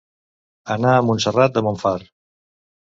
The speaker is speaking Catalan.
Anar a Montserrat de Montfar.